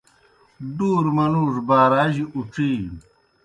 ڈُورُوْ منُوڙوْ باراجیْ اُڇِینوْ۔